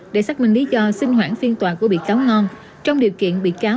để xác minh lý do sinh hoãn phiên tòa của bị cáo ngon trong điều kiện bị cáo